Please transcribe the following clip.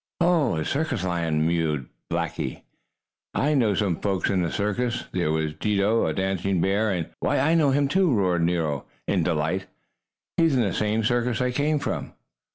"Oh, a circus lion!" mewed Blackie. "Why, I know some folks in a circus. There was Dido, a dancing bear, and " "Why, I know him too!" roared Nero, in delight. "He's in the same circus I came from!"